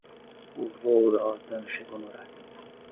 O voo da Latam chegou no horário.